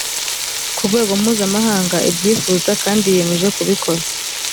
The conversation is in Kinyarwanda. ku rwego mpuzamahanga ibyifuza kandi yiyemeje kubikora